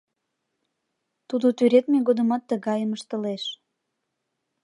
Тудо тӱредме годымат тыгайым ыштылеш.